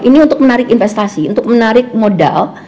ini untuk menarik investasi untuk menarik modal